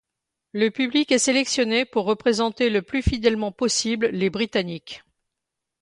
Le public est sélectionné pour représenter le plus fidèlement possible les Britanniques.